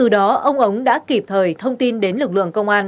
đó ông đã kịp thời thông tin đến lực lượng công an